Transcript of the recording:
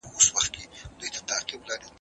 که ځوانان تاریخ ونه لولي پایله به یې څه وي؟